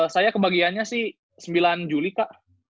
saya kebagiannya sih sembilan juli kak